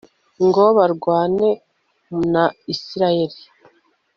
ngo barwane na israheli